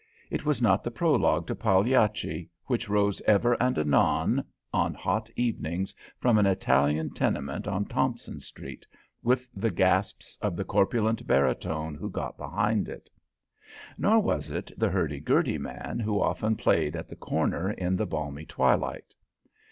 It was not the Prologue to Pagliacci, which rose ever and anon on hot evenings from an Italian tenement on Thompson Street, with the gasps of the corpulent baritone who got behind it; nor was it the hurdy gurdy man, who often played at the corner in the balmy twilight.